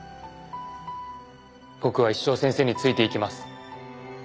僕は一生先生についていきます。